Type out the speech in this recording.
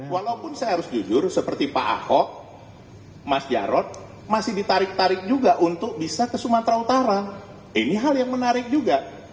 walaupun saya harus jujur seperti pak ahok mas jarod masih ditarik tarik juga untuk bisa ke sumatera utara ini hal yang menarik juga